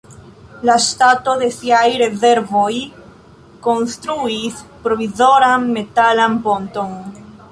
La ŝtato el siaj rezervoj konstruis provizoran metalan ponton.